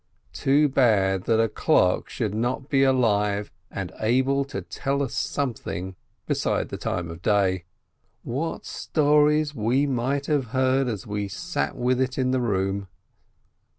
Too bad, that a clock should not be alive and able to tell us something beside the time of day ! What stories we might have heard as we sat with it in the room!